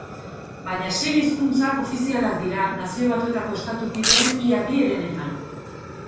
Baina sei hizkuntzak ofizialak dira Nazio Batuetako estatu kideen ia bi herenetan.